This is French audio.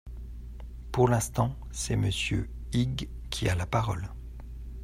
Pour l’instant, c’est Monsieur Huyghe qui a la parole.